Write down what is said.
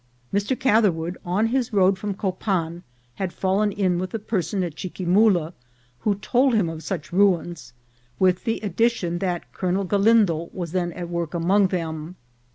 Mr. Catherwood, on his road from Copan, had fallen in with a person at Chiquimula who told him of such ruins, with the addi tion that Colonel Galindo was then at work among. them.